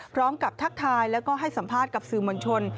ทักทายแล้วก็ให้สัมภาษณ์กับสื่อมวลชน